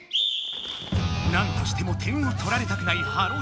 なんとしても点をとられたくない「ｈｅｌｌｏ，」